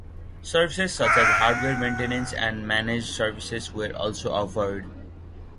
Services such as hardware maintenance and managed services were also offered.